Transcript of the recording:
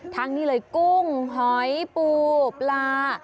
ทั้งนี้เลยกุ้งหอยปูปลา